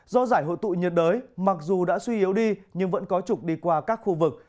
do giải hội tụ nhiệt đới mặc dù đã suy yếu đi nhưng vẫn có trục đi qua các khu vực